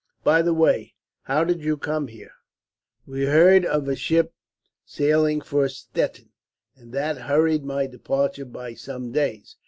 "By the way, how did you come here?" "We heard of a ship sailing for Stettin, and that hurried my departure by some days.